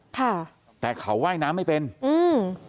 ค่ะแต่เขาว่ายน้ำไม่เป็นอืม